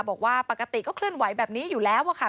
บอกว่าปกติก็เคลื่อนไหวแบบนี้อยู่แล้วค่ะ